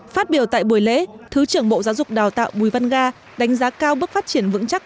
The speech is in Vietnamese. phát biểu tại buổi lễ thứ trưởng bộ giáo dục đào tạo bùi văn ga đánh giá cao bước phát triển vững chắc